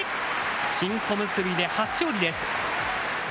新小結で初勝利です。